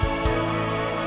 aku harus bisa